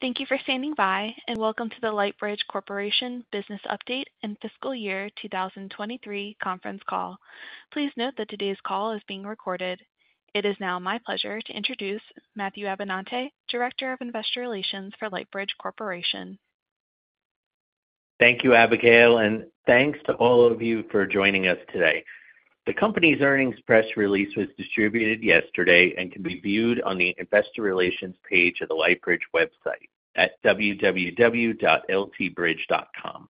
Thank you for standing by and welcome to the Lightbridge Corporation Business Update and fiscal year 2023 conference call. Please note that today's call is being recorded. It is now my pleasure to introduce Matthew Abenante, Director of Investor Relations for Lightbridge Corporation. Thank you, Abigail, and thanks to all of you for joining us today. The company's earnings press release was distributed yesterday and can be viewed on the Investor Relations page of the Lightbridge website at www.ltbridge.com.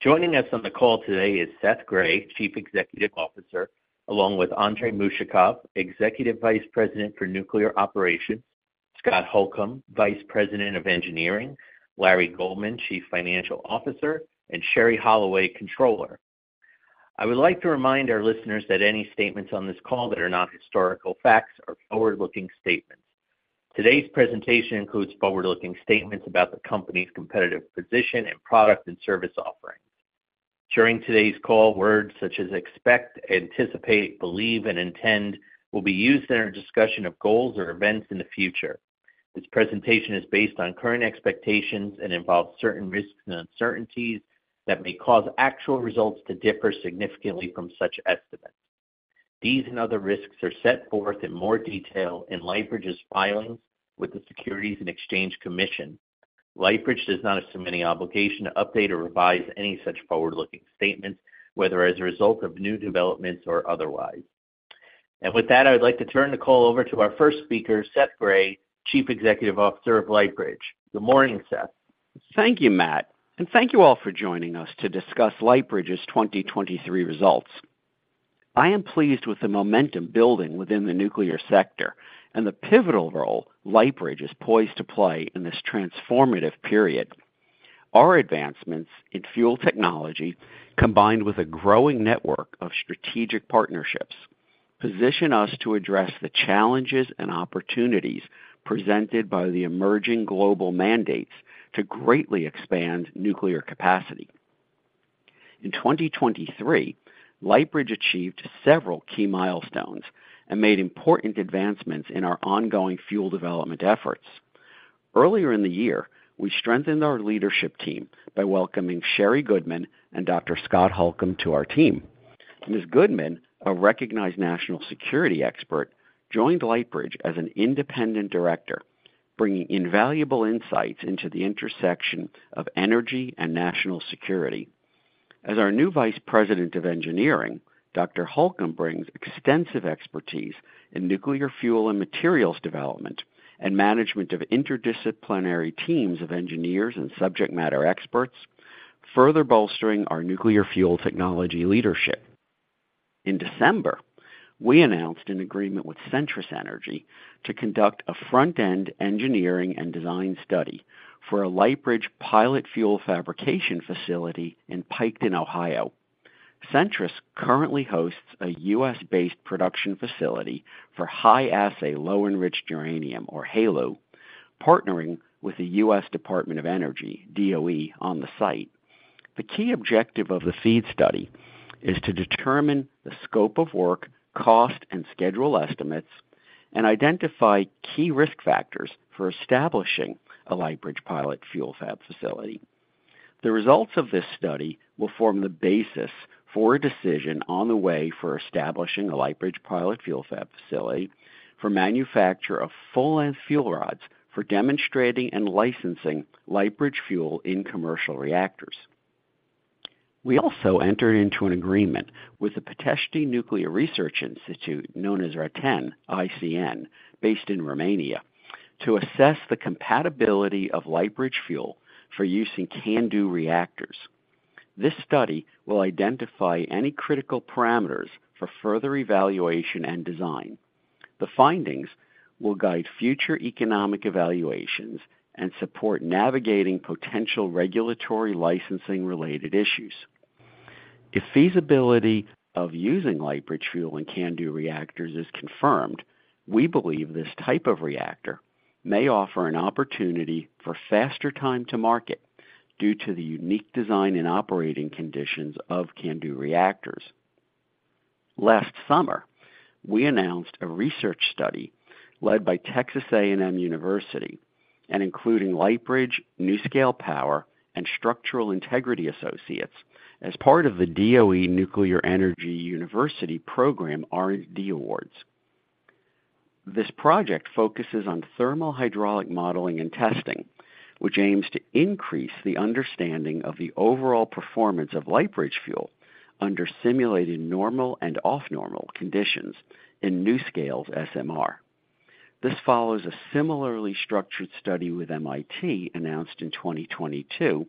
Joining us on the call today is Seth Grae, Chief Executive Officer, along with Andrey Mushakov, Executive Vice President for Nuclear Operations, Scott Holcombe, Vice President of Engineering, Larry Goldman, Chief Financial Officer, and Sherrie Holloway, Controller. I would like to remind our listeners that any statements on this call that are not historical facts are forward-looking statements. Today's presentation includes forward-looking statements about the company's competitive position and product and service offerings. During today's call, words such as expect, anticipate, believe, and intend will be used in our discussion of goals or events in the future. This presentation is based on current expectations and involves certain risks and uncertainties that may cause actual results to differ significantly from such estimates. These and other risks are set forth in more detail in Lightbridge's filings with the Securities and Exchange Commission. Lightbridge does not assume any obligation to update or revise any such forward-looking statements, whether as a result of new developments or otherwise. With that, I would like to turn the call over to our first speaker, Seth Grae, Chief Executive Officer of Lightbridge. Good morning, Seth. Thank you, Matt, and thank you all for joining us to discuss Lightbridge's 2023 results. I am pleased with the momentum building within the nuclear sector and the pivotal role Lightbridge is poised to play in this transformative period. Our advancements in fuel technology, combined with a growing network of strategic partnerships, position us to address the challenges and opportunities presented by the emerging global mandates to greatly expand nuclear capacity. In 2023, Lightbridge achieved several key milestones and made important advancements in our ongoing fuel development efforts. Earlier in the year, we strengthened our leadership team by welcoming Sherri Goodman and Dr. Scott Holcombe to our team. Ms. Goodman, a recognized national security expert, joined Lightbridge as an independent director, bringing invaluable insights into the intersection of energy and national security. As our new Vice President of Engineering, Dr. Holcombe brings extensive expertise in nuclear fuel and materials development and management of interdisciplinary teams of engineers and subject matter experts, further bolstering our nuclear fuel technology leadership. In December, we announced an agreement with Centrus Energy to conduct a front-end engineering and design study for a Lightbridge pilot fuel fabrication facility in Piketon, Ohio. Centrus currently hosts a U.S.-based production facility for high-assay, low-enriched uranium, or HALEU, partnering with the U.S. Department of Energy, DOE, on the site. The key objective of the FEED study is to determine the scope of work, cost, and schedule estimates, and identify key risk factors for establishing a Lightbridge pilot fuel fab facility. The results of this study will form the basis for a decision on the way for establishing a Lightbridge pilot fuel fab facility for manufacture of full-length fuel rods for demonstrating and licensing Lightbridge fuel in commercial reactors. We also entered into an agreement with the Pitești Nuclear Research Institute, known as RATEN ICN, based in Romania, to assess the compatibility of Lightbridge fuel for use in CANDU reactors. This study will identify any critical parameters for further evaluation and design. The findings will guide future economic evaluations and support navigating potential regulatory licensing-related issues. If feasibility of using Lightbridge fuel in CANDU reactors is confirmed, we believe this type of reactor may offer an opportunity for faster time to market due to the unique design and operating conditions of CANDU reactors. Last summer, we announced a research study led by Texas A&M University and including Lightbridge, NuScale Power, and Structural Integrity Associates as part of the DOE Nuclear Energy University Program R&D Awards. This project focuses on thermal hydraulic modeling and testing, which aims to increase the understanding of the overall performance of Lightbridge Fuel under simulated normal and off-normal conditions in NuScale's SMR. This follows a similarly structured study with MIT announced in 2022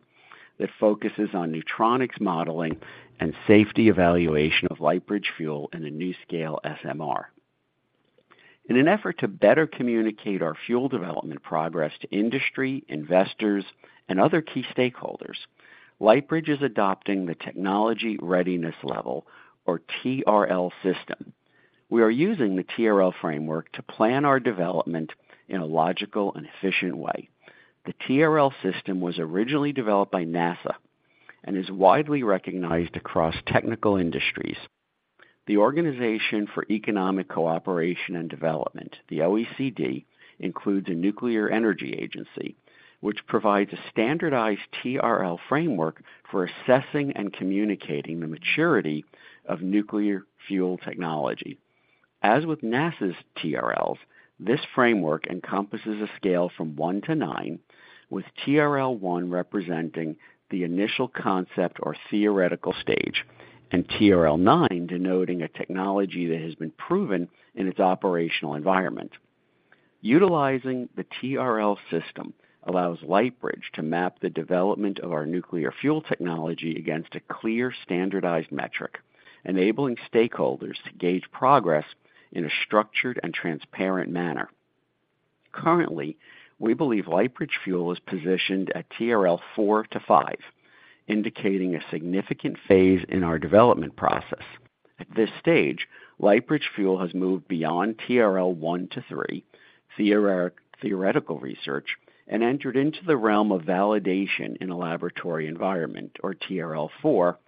that focuses on neutronics modeling and safety evaluation of Lightbridge Fuel in a NuScale SMR. In an effort to better communicate our fuel development progress to industry, investors, and other key stakeholders, Lightbridge is adopting the Technology Readiness Level, or TRL, system. We are using the TRL framework to plan our development in a logical and efficient way. The TRL system was originally developed by NASA and is widely recognized across technical industries. The Organization for Economic Cooperation and Development, the OECD, includes a nuclear energy agency, which provides a standardized TRL framework for assessing and communicating the maturity of nuclear fuel technology. As with NASA's TRLs, this framework encompasses a scale from 1 to 9, with TRL 1 representing the initial concept or theoretical stage and TRL 9 denoting a technology that has been proven in its operational environment. Utilizing the TRL system allows Lightbridge to map the development of our nuclear fuel technology against a clear standardized metric, enabling stakeholders to gauge progress in a structured and transparent manner. Currently, we believe Lightbridge fuel is positioned at TRL 4 to 5, indicating a significant phase in our development process. At this stage, Lightbridge fuel has moved beyond TRL 1 to 3, theoretical research, and entered into the realm of validation in a laboratory environment, or TRL 4,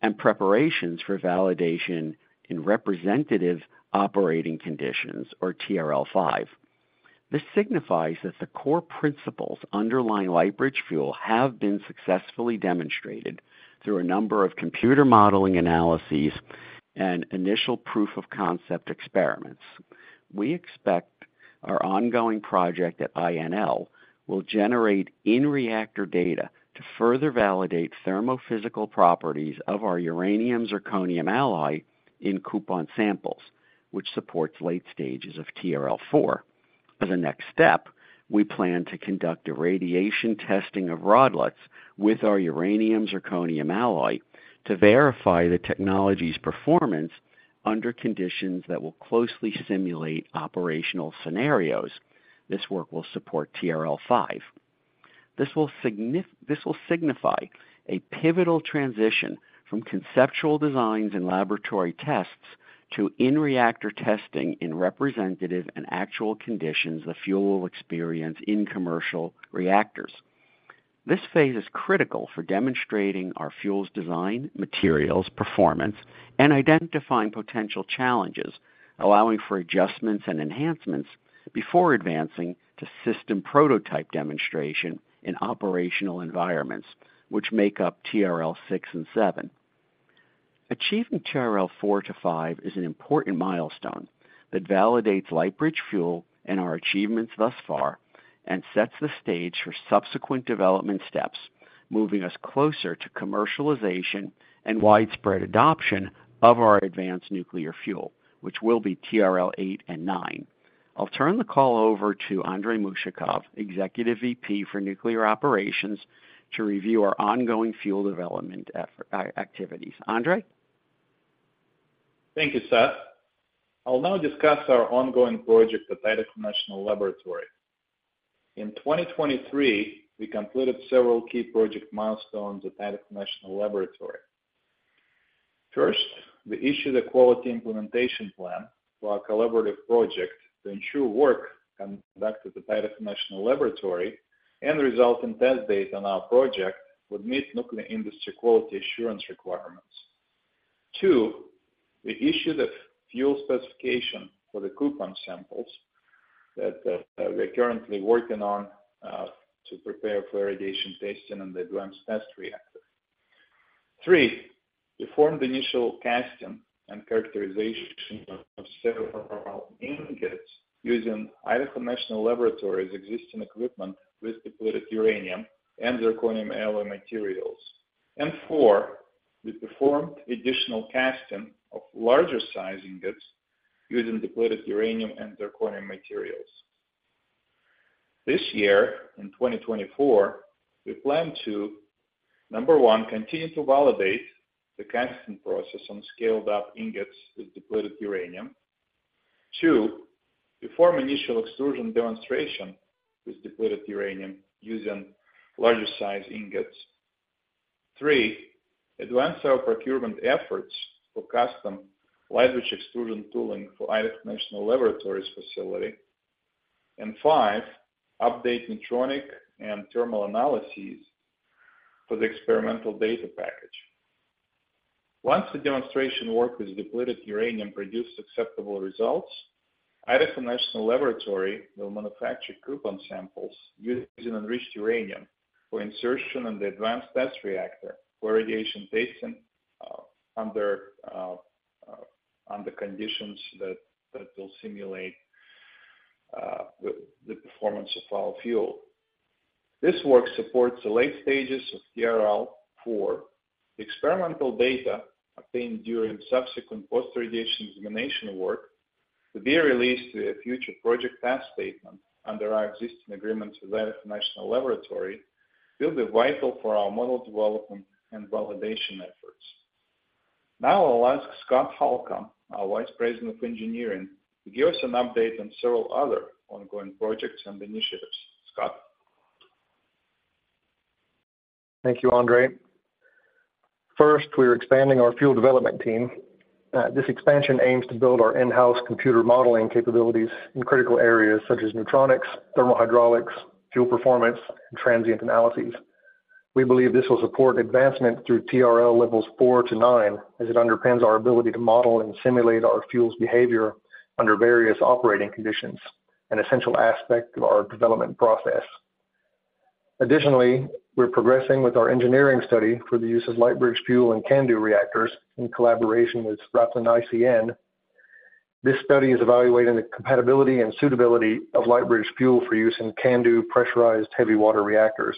and preparations for validation in representative operating conditions, or TRL 5. This signifies that the core principles underlying Lightbridge Fuel have been successfully demonstrated through a number of computer modeling analyses and initial proof-of-concept experiments. We expect our ongoing project at INL will generate in-reactor data to further validate thermophysical properties of our uranium zirconium alloy in coupon samples, which supports late stages of TRL 4. As a next step, we plan to conduct irradiation testing of rodlets with our uranium zirconium alloy to verify the technology's performance under conditions that will closely simulate operational scenarios. This work will support TRL 5. This will signify a pivotal transition from conceptual designs and laboratory tests to in-reactor testing in representative and actual conditions the fuel will experience in commercial reactors. This phase is critical for demonstrating our fuel's design, materials, performance, and identifying potential challenges, allowing for adjustments and enhancements before advancing to system prototype demonstration in operational environments, which make up TRL 6 and 7. Achieving TRL 4 to 5 is an important milestone that validates Lightbridge fuel and our achievements thus far and sets the stage for subsequent development steps, moving us closer to commercialization and widespread adoption of our advanced nuclear fuel, which will be TRL 8 and 9. I'll turn the call over to Andrey Mushakov, Executive VP for Nuclear Operations, to review our ongoing fuel development activities. Andrey? Thank you, Seth. I'll now discuss our ongoing project at Idaho National Laboratory. In 2023, we completed several key project milestones at Idaho National Laboratory. 1, we issued a quality implementation plan for our collaborative project to ensure work conducted at Idaho National Laboratory and resulting test data on our project would meet nuclear industry quality assurance requirements. 2, we issued a fuel specification for the coupon samples that we are currently working on to prepare for irradiation testing in the ATR test reactor. 3, we performed initial casting and characterization of several ingots using Idaho National Laboratory's existing equipment with depleted uranium and zirconium alloy materials. And 4, we performed additional casting of larger-sized ingots using depleted uranium and zirconium materials. This year, in 2024, we plan to, number 1, continue to validate the casting process on scaled-up ingots with depleted uranium. 2, perform initial extrusion demonstration with depleted uranium using larger-sized ingots. 3, advance our procurement efforts for custom Lightbridge extrusion tooling for Idaho National Laboratory's facility. And 4, update neutronic and thermal analyses for the experimental data package. Once the demonstration work with depleted uranium produces acceptable results, Idaho National Laboratory will manufacture coupon samples using enriched uranium for insertion in the Advanced Test Reactor for irradiation testing under conditions that will simulate the performance of our fuel. This work supports the late stages of TRL 4, the experimental data obtained during subsequent post-irradiation examination work to be released via future project test statements under our existing agreements with Idaho National Laboratory, will be vital for our model development and validation efforts. Now I'll ask Scott Holcombe, our Vice President of Engineering, to give us an update on several other ongoing projects and initiatives. Scott? Thank you, Andrey. First, we are expanding our fuel development team. This expansion aims to build our in-house computer modeling capabilities in critical areas such as neutronics, thermal hydraulics, fuel performance, and transient analyses. We believe this will support advancement through TRL levels 4 to 9 as it underpins our ability to model and simulate our fuel's behavior under various operating conditions, an essential aspect of our development process. Additionally, we're progressing with our engineering study for the use of Lightbridge fuel in CANDU reactors in collaboration with RATEN ICN. This study is evaluating the compatibility and suitability of Lightbridge fuel for use in CANDU pressurized heavy-water reactors,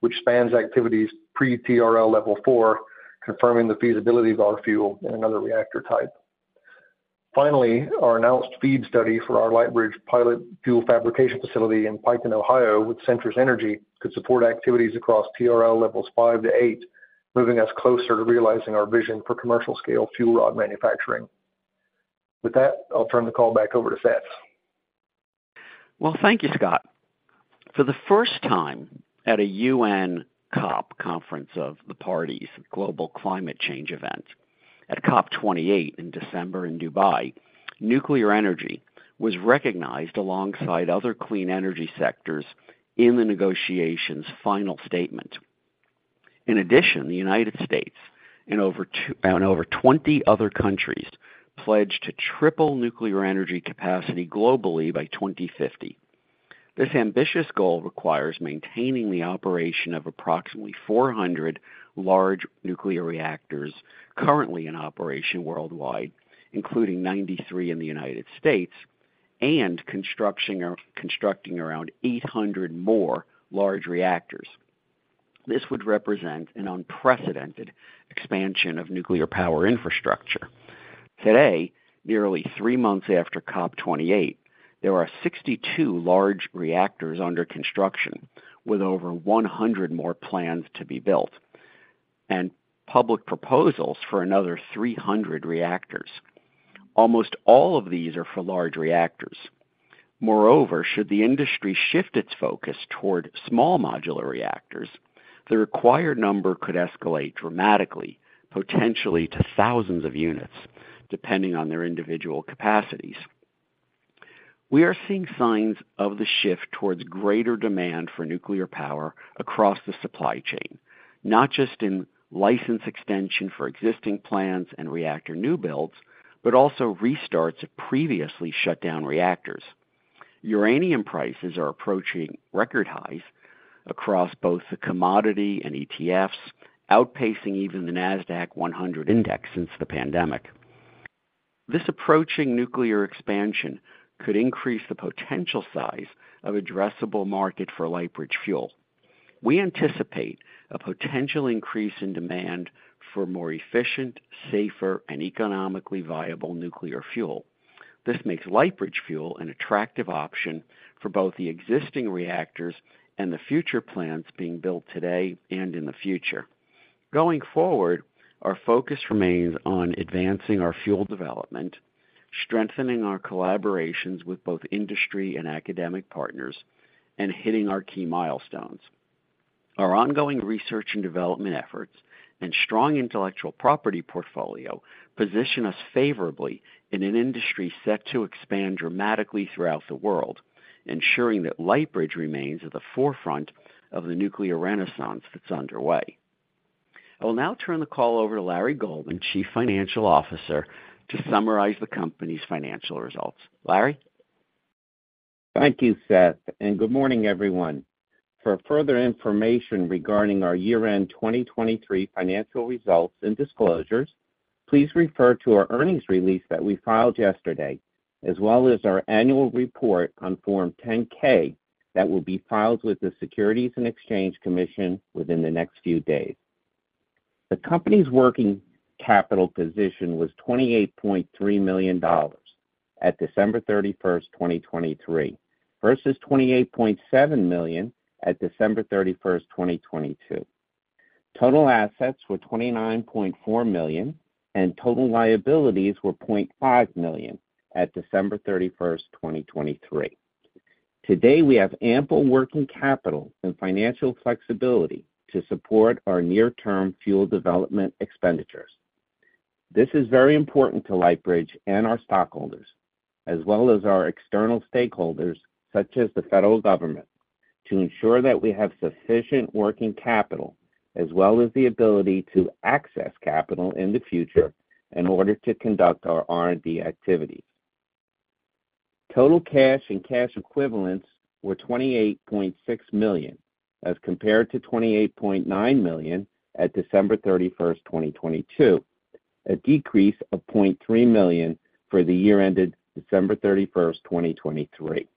which spans activities pre-TRL level 4, confirming the feasibility of our fuel in another reactor type. Finally, our announced FEED Study for our Lightbridge pilot fuel fabrication facility in Piketon, Ohio, with Centrus Energy, could support activities across TRL levels 5 to 8, moving us closer to realizing our vision for commercial-scale fuel rod manufacturing. With that, I'll turn the call back over to Seth. Well, thank you, Scott. For the first time at a U.N. COP Conference of the Parties, a global climate change event, at COP 28 in December in Dubai, nuclear energy was recognized alongside other clean energy sectors in the negotiations' final statement. In addition, the United States and over 20 other countries pledged to triple nuclear energy capacity globally by 2050. This ambitious goal requires maintaining the operation of approximately 400 large nuclear reactors currently in operation worldwide, including 93 in the United States, and constructing around 800 more large reactors. This would represent an unprecedented expansion of nuclear power infrastructure. Today, nearly three months after COP 28, there are 62 large reactors under construction with over 100 more plans to be built and public proposals for another 300 reactors. Almost all of these are for large reactors. Moreover, should the industry shift its focus toward small modular reactors, the required number could escalate dramatically, potentially to thousands of units, depending on their individual capacities. We are seeing signs of the shift towards greater demand for nuclear power across the supply chain, not just in license extension for existing plants and reactor new builds, but also restarts of previously shut-down reactors. Uranium prices are approaching record highs across both the commodity and ETFs, outpacing even the NASDAQ 100 Index since the pandemic. This approaching nuclear expansion could increase the potential size of addressable market for Lightbridge fuel. We anticipate a potential increase in demand for more efficient, safer, and economically viable nuclear fuel. This makes Lightbridge fuel an attractive option for both the existing reactors and the future plants being built today and in the future. Going forward, our focus remains on advancing our fuel development, strengthening our collaborations with both industry and academic partners, and hitting our key milestones. Our ongoing research and development efforts and strong intellectual property portfolio position us favorably in an industry set to expand dramatically throughout the world, ensuring that Lightbridge remains at the forefront of the nuclear renaissance that's underway. I'll now turn the call over to Larry Goldman, Chief Financial Officer, to summarize the company's financial results. Larry? Thank you, Seth. Good morning, everyone. For further information regarding our year-end 2023 financial results and disclosures, please refer to our earnings release that we filed yesterday, as well as our annual report on Form 10-K that will be filed with the Securities and Exchange Commission within the next few days. The company's working capital position was $28.3 million at December 31, 2023, versus $28.7 million at December 31, 2022. Total assets were $29.4 million, and total liabilities were $0.5 million at December 31, 2023. Today, we have ample working capital and financial flexibility to support our near-term fuel development expenditures. This is very important to Lightbridge and our stockholders, as well as our external stakeholders such as the federal government, to ensure that we have sufficient working capital as well as the ability to access capital in the future in order to conduct our R&D activities. Total cash and cash equivalents were $28.6 million as compared to $28.9 million at December 31, 2022, a decrease of $0.3 million for the year-ended December 31, 2023.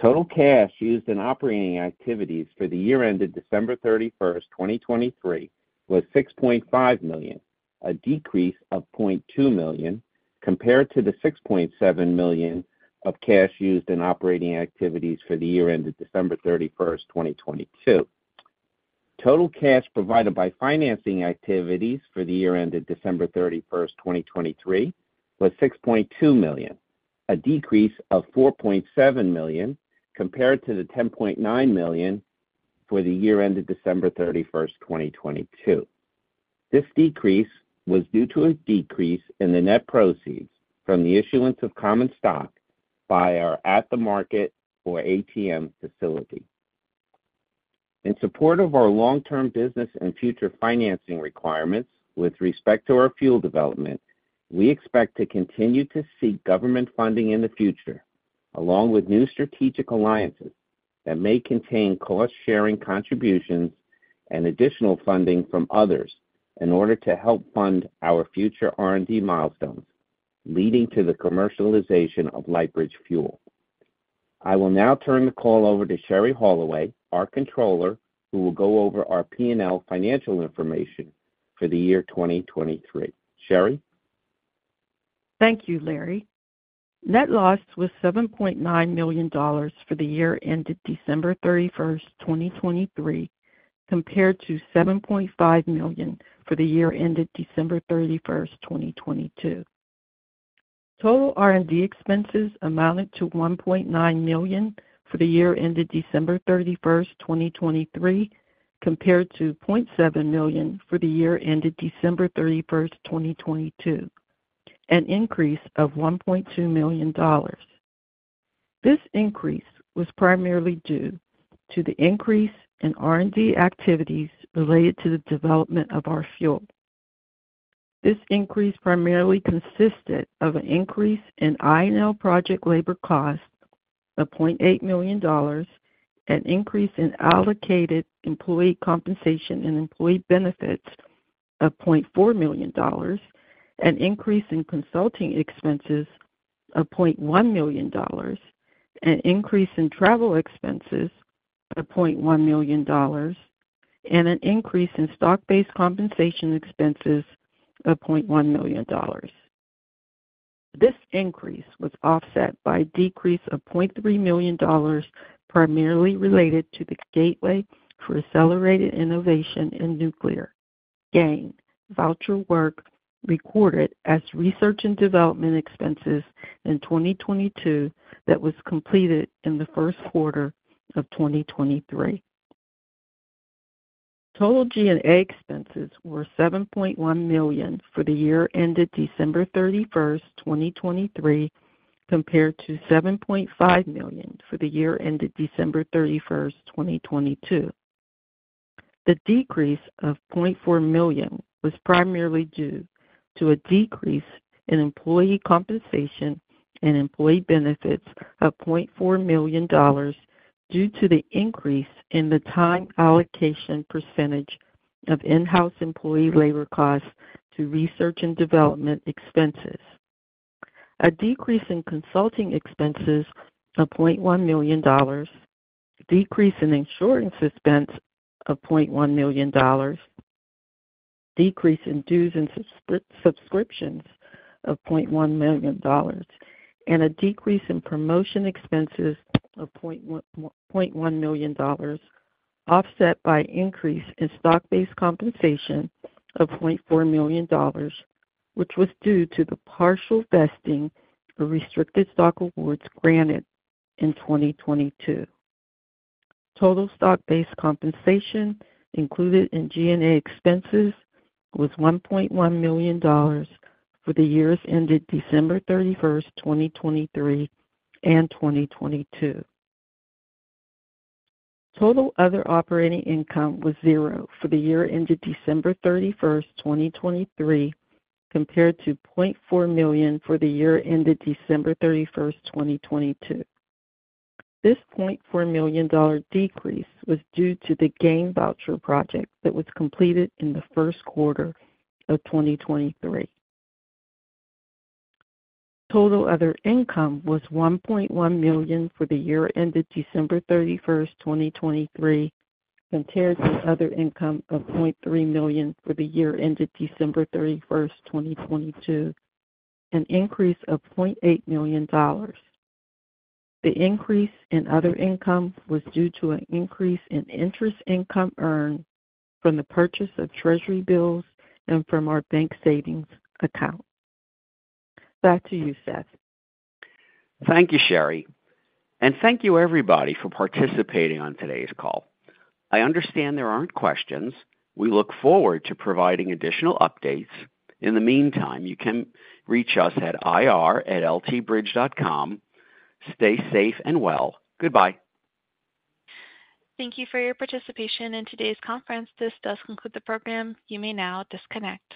Total cash used in operating activities for the year-ended December 31, 2023, was $6.5 million, a decrease of $0.2 million compared to the $6.7 million of cash used in operating activities for the year-ended December 31, 2022. Total cash provided by financing activities for the year-ended December 31, 2023, was $6.2 million, a decrease of $4.7 million compared to the $10.9 million for the year-ended December 31, 2022. This decrease was due to a decrease in the net proceeds from the issuance of common stock by our at-the-market or ATM facility. In support of our long-term business and future financing requirements with respect to our fuel development, we expect to continue to seek government funding in the future, along with new strategic alliances that may contain cost-sharing contributions and additional funding from others in order to help fund our future R&D milestones, leading to the commercialization of Lightbridge Fuel. I will now turn the call over to Sherrie Holloway, our Controller, who will go over our P&L financial information for the year 2023. Sherrie? Thank you, Larry. Net loss was $7.9 million for the year-ended December 31, 2023, compared to $7.5 million for the year-ended December 31, 2022. Total R&D expenses amounted to $1.9 million for the year-ended December 31, 2023, compared to $0.7 million for the year-ended December 31, 2022, an increase of $1.2 million. This increase was primarily due to the increase in R&D activities related to the development of our fuel. This increase primarily consisted of an increase in INL project labor costs of $0.8 million, an increase in allocated employee compensation and employee benefits of $0.4 million, an increase in consulting expenses of $0.1 million, an increase in travel expenses of $0.1 million, and an increase in stock-based compensation expenses of $0.1 million. This increase was offset by a decrease of $0.3 million primarily related to the Gateway for Accelerated Innovation in Nuclear GAIN voucher work recorded as research and development expenses in 2022 that was completed in the first quarter of 2023. Total G&A expenses were $7.1 million for the year-ended December 31, 2023, compared to $7.5 million for the year-ended December 31, 2022. The decrease of $0.4 million was primarily due to a decrease in employee compensation and employee benefits of $0.4 million due to the increase in the time allocation percentage of in-house employee labor costs to research and development expenses. A decrease in consulting expenses of $0.1 million, a decrease in insurance expense of $0.1 million, a decrease in dues and subscriptions of $0.1 million, and a decrease in promotion expenses of $0.1 million offset by an increase in stock-based compensation of $0.4 million, which was due to the partial vesting of restricted stock awards granted in 2022. Total stock-based compensation included in G&A expenses was $1.1 million for the years ended December 31, 2023, and 2022. Total other operating income was zero for the year-ended December 31, 2023, compared to $0.4 million for the year-ended December 31, 2022. This $0.4 million decrease was due to the GAIN voucher project that was completed in the first quarter of 2023. Total other income was $1.1 million for the year-ended December 31, 2023, compared to other income of $0.3 million for the year-ended December 31, 2022, an increase of $0.8 million. The increase in other income was due to an increase in interest income earned from the purchase of treasury bills and from our bank savings account. Back to you, Seth. Thank you, Sherrie. Thank you, everybody, for participating on today's call. I understand there aren't questions. We look forward to providing additional updates. In the meantime, you can reach us at ir@ltbridge.com. Stay safe and well. Goodbye. Thank you for your participation in today's conference. This does conclude the program. You may now disconnect.